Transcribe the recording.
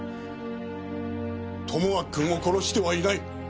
友章君を殺してはいない！